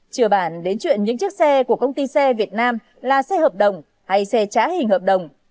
chừa bản đến chuyện những chiếc xe của công ty xe việt nam là xe hợp đồng hay xe trá hình hợp đồng